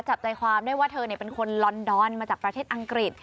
จับใจความได้ว่าเธอเป็นคนลอนดอนมาจากประเทศอังกฤษ